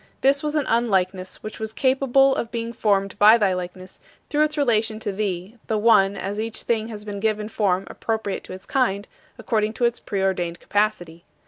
This was an unlikeness which was capable of being formed by thy likeness through its relation to thee, the One, as each thing has been given form appropriate to its kind according to its preordained capacity.